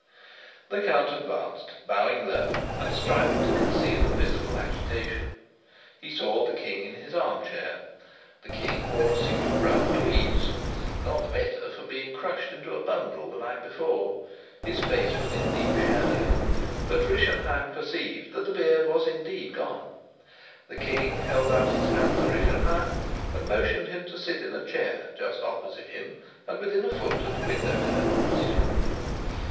The count advanced, bowing low, and striving to conceal a visible agitation. He saw the king in his arm chair; the king wore a suit of brown tweeds (none the better for being crushed into a bundle the night before); his face was in deep shadow, but Rischenheim perceived that the beard was indeed gone. The king held out his hand to Rischenheim, and motioned him to sit in a chair just opposite to him and within a foot of the window curtains.